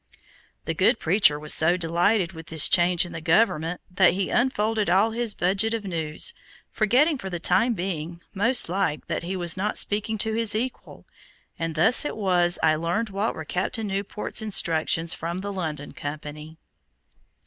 The good preacher was so delighted with this change in the government that he unfolded all his budget of news, forgetting for the time being, most like, that he was not speaking to his equal, and thus it was I learned what were Captain Newport's instructions from the London Company.